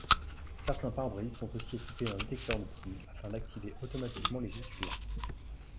Certains pare-brise sont aussi équipés d'un détecteur de pluie afin d'activer automatiquement les essuie-glaces.